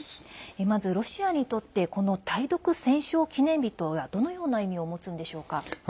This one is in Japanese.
まず、ロシアにとってこの対独戦勝記念日とはどのような意味を持つんでしょうか？